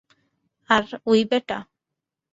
আর ঐ বেটা?